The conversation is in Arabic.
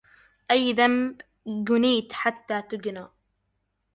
أي ذنب جنيت حتى تجنى